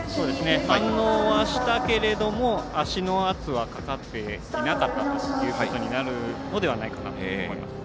反応はしたけれど足の圧がかかっていなかったということになるのではないかと思います。